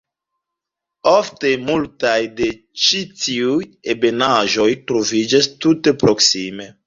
Ofte multaj de ĉi tiuj ebenaĵoj troviĝas tute proksime.